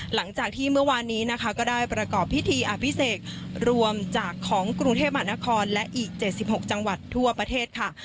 หลังจากที่เมื่อวานนี้นะคะก็ได้ประกอบพิธีอภิเษกรวมจากของกรุงเทพมหานครและอีก๗๖จังหวัดทั่วประเทศค่ะ